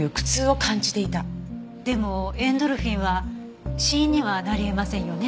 でもエンドルフィンは死因にはなり得ませんよね。